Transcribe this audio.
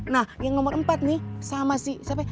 nah yang nomor empat nih sama si siapa